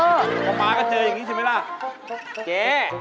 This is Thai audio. พอมาก็เจออย่างนี้ใช่ไหมล่ะเจ๊